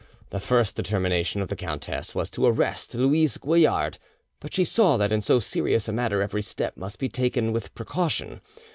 The first determination of the countess was to arrest Louise Goillard; but she saw that in so serious a matter every step must be taken with precaution.